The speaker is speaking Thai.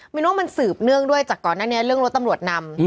นว่ามันสืบเนื่องด้วยจากก่อนหน้านี้เรื่องรถตำรวจนำ